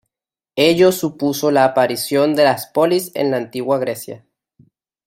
Ello supuso la aparición de las polis en la Antigua Grecia.